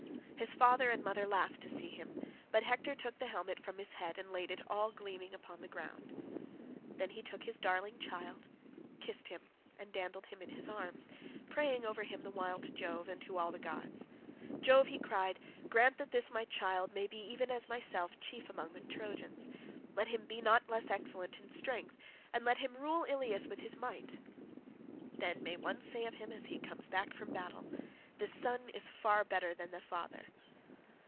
His father and mother laughed to see him, but Hector took the helmet from his head and laid it all gleaming upon the ground. Then he took his darling child, kissed him, and dandled him in his arms, praying over him the while to Jove and to all the gods. "Jove," he cried, "grant that this my child may be even as myself, chief among the Trojans; let him be not less excellent in strength, and let him rule Ilius with his might. Then may one say of him as he comes from battle, 'The son is far better than the father.